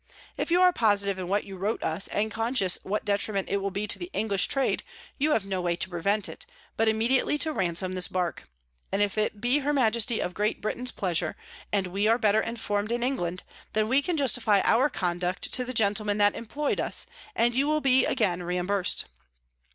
If you are positive in what you wrote us, and conscious what detriment it will be to the English Trade, you have no way to prevent it, but immediately to ransom this Bark; and if it be her Majesty of Great Britain's Pleasure, and we are better inform'd in England, then we can justify our Conduct to the Gentlemen that imploy'd us, and you will be again reimbursed.